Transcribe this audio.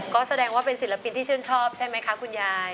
ก็แสดงว่าเป็นศิลปินที่ชื่นชอบใช่ไหมคะคุณยาย